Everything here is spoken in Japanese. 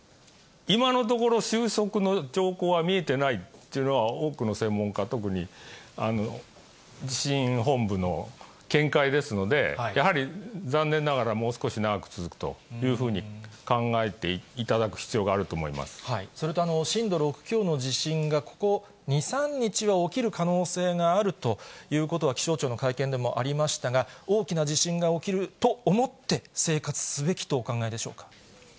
今のところ、収束の兆候は見えていないっていうのが、多くの専門家、特に地震本部の見解ですので、やはり残念ながら、もう少し長く続くというふうに考えていただく必要があると思いまそれと震度６強の地震が、ここ２、３日は起きる可能性があるということは、気象庁の会見でもありましたが、大きな地震が起きると思って、生活すべきとお考えでしょうか。